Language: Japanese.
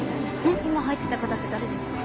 今入ってった方って誰ですか？